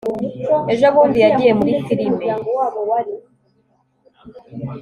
ejo bundi yagiye muri firime